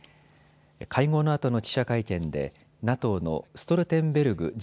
会合のあとの記者会見でＮＡＴＯのストルテンベルグ